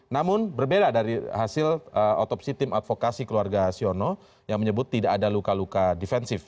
namun berbeda dari hasil otopsi tim advokasi keluarga siono yang menyebut tidak ada luka luka defensif